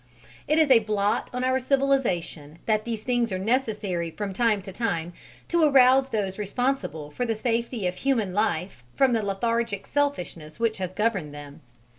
It is a blot on our civilization that these things are necessary from time to time, to arouse those responsible for the safety of human life from the lethargic selfishness which has governed them.